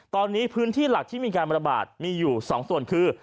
ตอนนี้พื้นที่หลักที่มีการระบาดมีอยู่๒ส่วนคือ